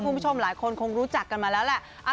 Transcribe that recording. คุณผู้ชมหลายคนคงรู้จักกันมาแล้วแหละ